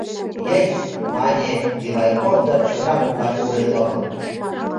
— Есть! — мане Ивайков да чодыра коклаш пурен йомо.